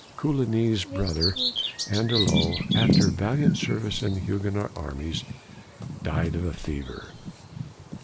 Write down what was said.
Coligny's brother Andelot, after valiant service in the Huguenot armies, died of fever.